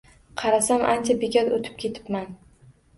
Qarasam ancha bekat oʻtib ketibman.